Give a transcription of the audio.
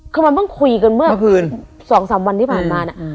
คือมันต้องคุยกันเมื่อ๒๓วันที่ผ่านมานะ